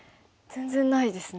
全然ないですね。